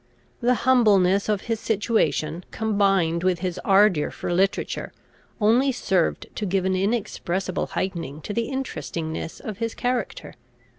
The humbleness of his situation, combined with his ardour for literature, only served to give an inexpressible heightening to the interestingness of his character.